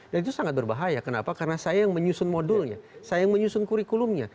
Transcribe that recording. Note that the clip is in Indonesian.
dan itu sangat berbahaya kenapa karena saya yang menyusun modulnya saya yang menyusun kurikulumnya